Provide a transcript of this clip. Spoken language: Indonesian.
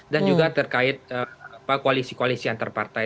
dan juga terkait koalisi koalisi antar partai